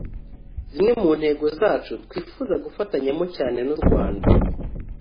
zimwe mu ntego zacu twifuza gufatanyamo cyane n’u Rwanda